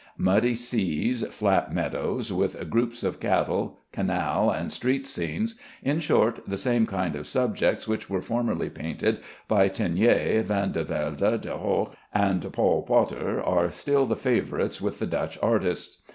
Muddy seas, flat meadows with groups of cattle, canal and street scenes in short, the same kind of subjects which were formerly painted by Teniers, Vandevelde, De Hoogh, and Paul Potter, are still the favorites with the Dutch artists.